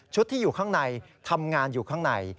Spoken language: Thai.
ที่อยู่ข้างในทำงานอยู่ข้างใน